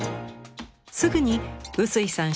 すぐに臼井さん